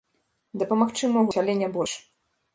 Дапамагчы могуць, але не больш.